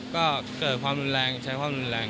ก็เกิดความรุนแรงใช้ความรุนแรง